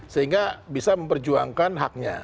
sehingga bisa memperjuangkan haknya